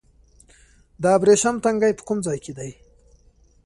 د ابریشم تنګی په کوم ځای کې دی؟